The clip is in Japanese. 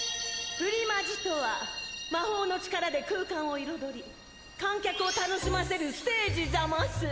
プリマジとは魔法の力で空間を彩り観客を楽しませるステージざます。